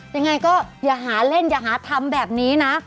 ยังไงก็อย่าหาเล่นอย่าหาทำแบบนี้นะ